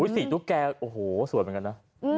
สี่ตุ๊กแกโอ้โหสวยเหมือนกันนะ